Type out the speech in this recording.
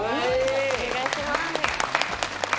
お願いします